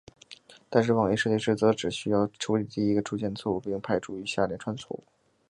但是网页设计师则只需要处理第一个出现的错误并排除余下连串的错误。